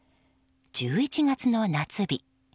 １１月の夏日。